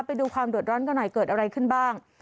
ไปดูความเดือดร้อนกันหน่อยเกิดอะไรขึ้นบ้าง